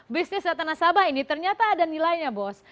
bisnis data nasabah ini ternyata ada nilainya bos